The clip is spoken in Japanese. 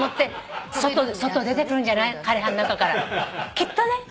きっとね。